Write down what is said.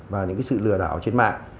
và những cái sự lừa đảo trên mạng